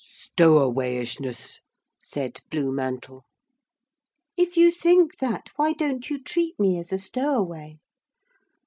'Stowawayishness,' said Blue Mantle. 'If you think that why don't you treat me as a stowaway?'